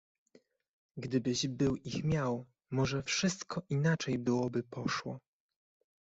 "Gdybyś był ich miał, może wszystko inaczej byłoby poszło."